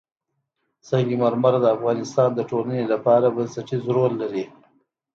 سنگ مرمر د افغانستان د ټولنې لپاره بنسټيز رول لري.